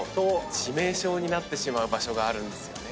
致命傷になってしまう場所があるんですよね。